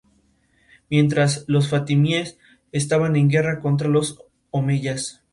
Durante este proceso se dieron dos participaciones oceánicas en la máxima cita mundialista.